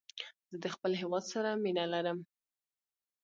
زه د خپل هېواد سره مینه لرم